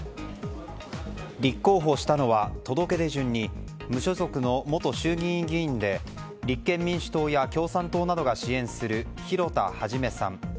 立候補したのは届け出順に無所属の元衆議院議員で立憲民主党や共産党などが支援する広田一さん。